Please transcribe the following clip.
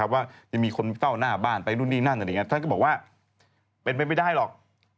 ว่ายังมีคนเฝ้าหน้าบ้านไปนู่นนี่นั่นอะไรอย่างนี้ท่านก็บอกว่าเป็นไปไม่ได้หรอก